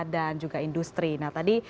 dan juga industri nah tadi